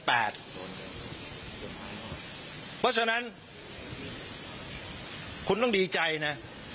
เพราะฉะนั้นคุณต้องดีใจนะ